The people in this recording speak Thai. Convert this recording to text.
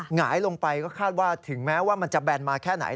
หงายลงไปก็คาดว่าถึงแม้ว่ามันจะแบนมาแค่ไหน